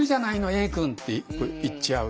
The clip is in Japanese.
Ａくん」って言っちゃうと。